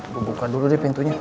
gue buka dulu deh pintunya